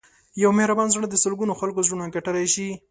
یو مهربان زړه د سلګونو خلکو زړونه ګټلی شي.